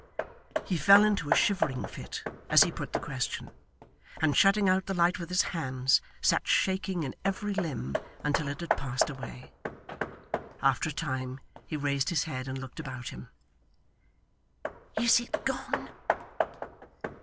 He fell into a shivering fit as he put the question, and shutting out the light with his hands, sat shaking in every limb until it had passed away. After a time, he raised his head and looked about him. 'Is it gone?